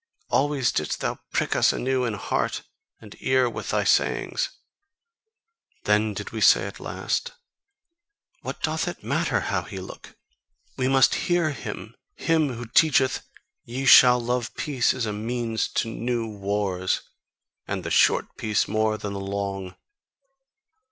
Always didst thou prick us anew in heart and ear with thy sayings. Then did we say at last: What doth it matter how he look! We must HEAR him; him who teacheth: 'Ye shall love peace as a means to new wars, and the short peace more than the long!